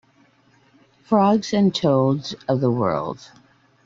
Frogs and Toads of the World.